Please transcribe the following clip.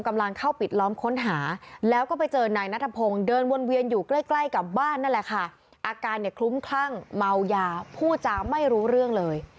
อาการเนี่ยคลุ้มคลั่งเมายาผู้จะไม่รู้เรื่องเลย